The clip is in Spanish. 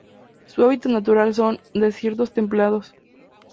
Su hábitat natural son: desiertos templados.